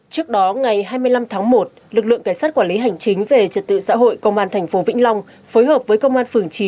trước đó ngày hai mươi năm tháng một lực lượng cảnh sát quản lý hành chính về trật tự xã hội công an tp vĩnh long phối hợp với công an phường chín